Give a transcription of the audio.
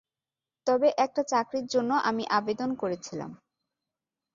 তবে একটা চাকরির জন্য আমি আবেদন করেছিলাম।